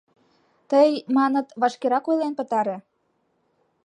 — Тый, маныт, вашкерак ойлен пытаре.